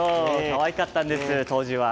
かわいかったんです当時は。